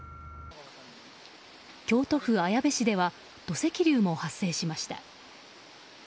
京都府綾部市では土石流も発生しました。